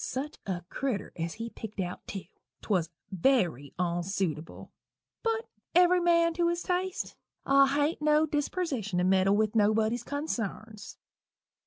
Such a critter as he pickt out, tew! 'twas very onsuitable but every man to his taste I hain't no dispersition to meddle with nobody's consarns.